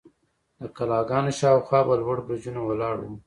د کلاګانو شاوخوا به لوړ برجونه ولاړ وو.